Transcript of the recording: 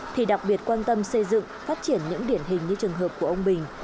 thì đặc biệt quan tâm xây dựng phát triển những điển hình như trường hợp của ông bình